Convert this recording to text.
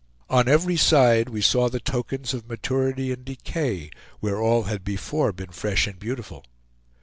On every side we saw the tokens of maturity and decay where all had before been fresh and beautiful.